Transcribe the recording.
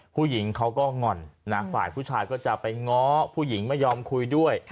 ผู้หญิงเขาก็หง่อนนะฝ่ายผู้ชายก็จะไปง้อผู้หญิงไม่ยอมคุยด้วย